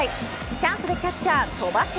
チャンスでキャッチャー戸柱。